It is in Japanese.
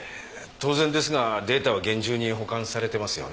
当然ですがデータは厳重に保管されてますよね？